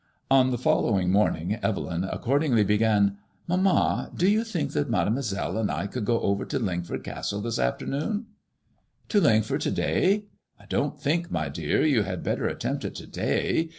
On the following morning Evelyn accordingly began :^* Mamma, do you think that Mademoiselle and I could go over to Lingford Castle this after noon ?"" To Lingford to day. I don't think, my dear, you had better attempt it to day.